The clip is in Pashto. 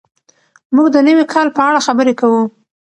موږ د نوي کال په اړه خبرې کوو.